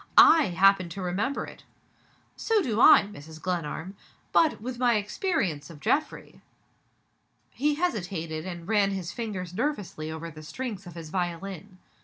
I happen to remember it." "So do I, Mrs. Glenarm. But, with my experience of Geoffrey " He hesitated, and ran his fingers nervously over the strings of his violin.